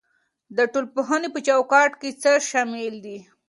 د ټولنپوهنې په چوکاټ کې څه شامل دي؟